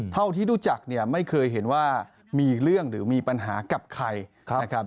เท่าที่รู้จักเนี่ยไม่เคยเห็นว่ามีเรื่องหรือมีปัญหากับใครนะครับ